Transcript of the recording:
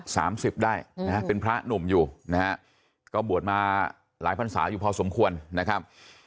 สามสิบได้นะฮะเป็นพระหนุ่มอยู่นะฮะก็บวชมาหลายพันศาอยู่พอสมควรนะครับ